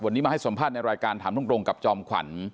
วันนี้มาให้สัมภาษณ์ในรายการถามตรงกับจอมขวัญ